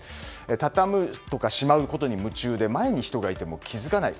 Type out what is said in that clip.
畳むとか、しまうことに夢中で前に人がいても気づかない。